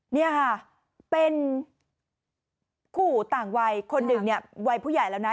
นี่ค่ะเป็นคู่ต่างวัยคนหนึ่งเนี่ยวัยผู้ใหญ่แล้วนะ